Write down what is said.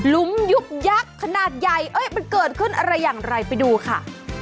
ลุมยุบยักษ์ขนาดใหญ่มันเกิดขึ้นอะไรอย่างไรไปดูค่ะ